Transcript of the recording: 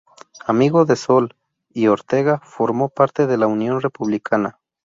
Amigo de Sol y Ortega, formó parte de la Unión Republicana.